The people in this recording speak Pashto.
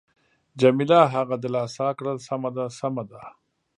جميله هغه دلاسا کړل: سمه ده، سمه ده.